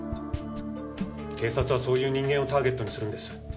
警察はそういう人間をターゲットにするんです。